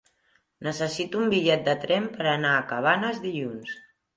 Necessito un bitllet de tren per anar a Cabanes dilluns.